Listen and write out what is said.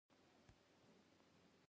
په همدې وخت کې د پېښور په کاکشالو کې.